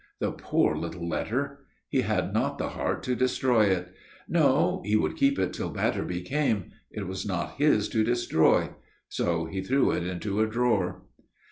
The poor little letter! He had not the heart to destroy it. No; he would keep it till Batterby came; it was not his to destroy. So he threw it into a drawer.